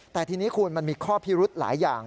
แต่ทีนี้คุณมันมีข้อพิรุธหลายอย่าง